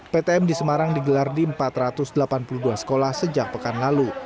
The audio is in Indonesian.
ptm di semarang digelar di empat ratus delapan puluh dua sekolah sejak pekan lalu